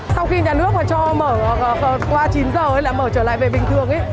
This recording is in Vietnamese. sau khi nhà nước cho mở qua chín h lại mở trở lại về bình thường